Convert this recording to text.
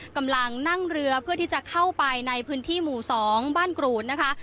กำลังนั่งเรือเพื่อที่จะเข้าไปในพื้นที่หมู่๒บ้านกรูดนะคะ